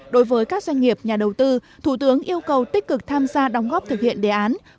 đối với các doanh nghiệp nhà đầu tư thủ tướng yêu cầu tích cực tham gia đóng góp thực hiện đề án